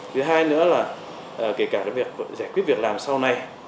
thứ hai nữa là kể cả việc giải quyết việc làm sau này